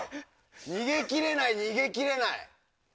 逃げ切れない逃げ切れない！